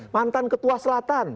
mantan ketua selatan